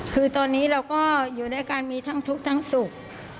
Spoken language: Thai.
คือตอนนี้เราก็อยู่ด้วยกันมีทั้งทุกข์ทั้งสุข